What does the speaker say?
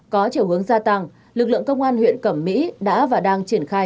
có chiều hướng gia tăng lực lượng công an huyện cẩm mỹ đã và đang triển khai